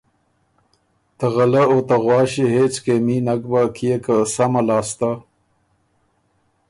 ته غلۀ او ته غواݭی هېڅ کېمي نک بۀ، کيې که سمه لاسته